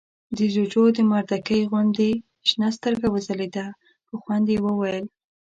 د جُوجُو د مردکۍ غوندې شنه سترګه وځلېده، په خوند يې وويل: